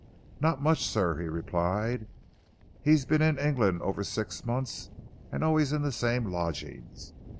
"Not much sir," he replied, "he's been in England over six months, and always in the same lodgings.